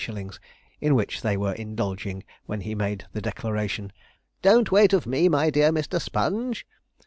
_, in which they were indulging when he made the declaration: 'don't wait of me, my dear Mr. Sponge!'